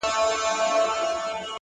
• حسن خو زر نه دى چي څوك يې پـټ كــړي؛